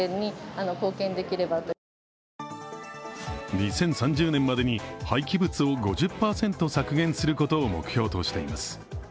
２０３０年までに廃棄物を５０％削減することを目標としています。